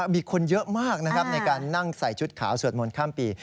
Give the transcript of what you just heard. มีคนเยอะมากในการนั่งใส่ชุดขาวสวดมลข้ามปี